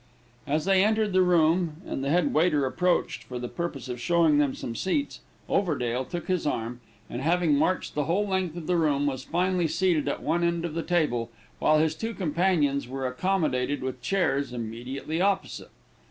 As they entered the room, and the head waiter approached, for the purpose of showing them some seats, Overdale took his arm, and, having marched the whole length of the room, was finally seated at one end of the table, while his two companions were accommodated with chairs immediately opposite.